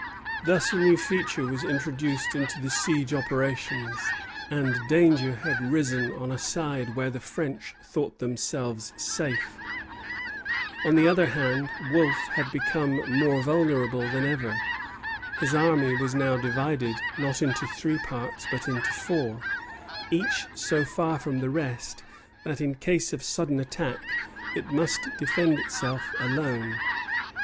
Thus a new feature was introduced into the siege operations, and danger had risen on a side where the French thought themselves safe. On the other hand, Wolfe had become more vulnerable than ever. His army was now divided, not into three parts, but into four, each so far from the rest that, in case of sudden attack, it must defend itself alone.